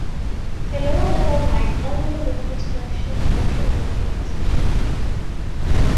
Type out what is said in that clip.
A lower level might only remove instructions that cannot be executed.